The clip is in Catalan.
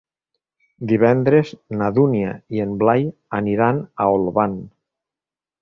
Divendres na Dúnia i en Blai aniran a Olvan.